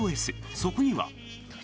そこには。